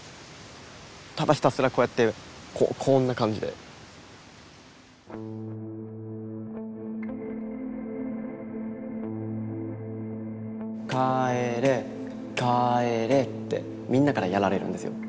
ただひたすらこうやってこうこんな感じで。ってみんなからやられるんですよ。